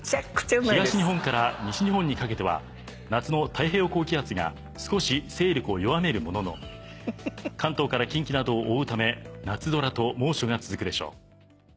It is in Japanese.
東日本から西日本にかけては夏の太平洋高気圧が少し勢力を弱めるものの関東から近畿などを覆うため夏空と猛暑が続くでしょう。